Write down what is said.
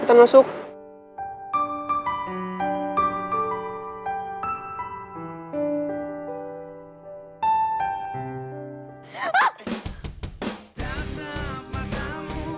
aduh anjay gaut